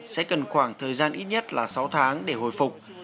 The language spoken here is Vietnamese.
sẽ cần khoảng thời gian ít nhất là sáu tháng để hồi phục